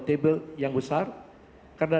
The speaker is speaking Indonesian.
table yang besar karena